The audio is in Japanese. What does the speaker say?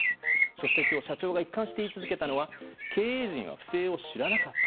そして今日、社長が一貫して言い続けたのは経営陣は不正を知らなかった。